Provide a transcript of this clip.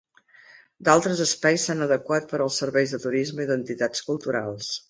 D'altres espais s'han adequat per als serveis de turisme i d'entitats culturals.